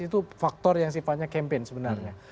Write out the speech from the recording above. itu faktor yang sifatnya campaign sebenarnya